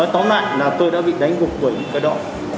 tóm lại là tôi đã bị đánh gục bởi một cái đó